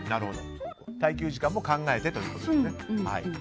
耐久時間も考えてということですね。